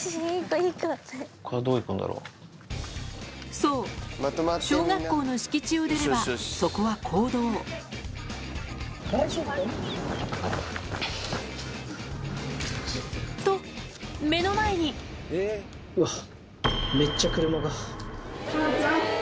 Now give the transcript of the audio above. そう小学校の敷地を出ればそこは公道と目の前にあぁ。